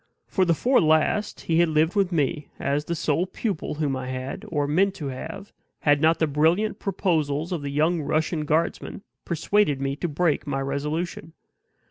For the four last he had lived with me as the sole pupil whom I had, or meant to have, had not the brilliant proposals of the young Russian guardsman persuaded me to break my resolution.